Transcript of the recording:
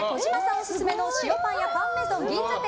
オススメの塩パン屋パン・メゾン銀座店